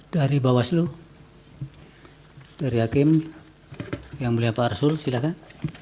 dari bawaslu dari hakim yang mulia pak arsul silahkan